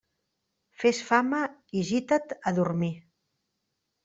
Fes fama i gita't a dormir.